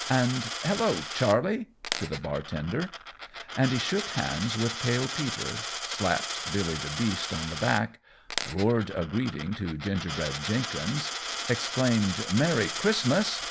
and "Hello, Charlie!" to the bartender; and he shook hands with Pale Peter, slapped Billy the Beast on the back, roared a greeting to Gingerbread Jenkins, exclaimed "Merry Christmas!"